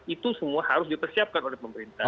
itu semua harus dipersiapkan oleh pemerintah